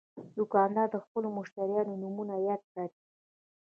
دوکاندار د خپلو مشتریانو نومونه یاد ساتي.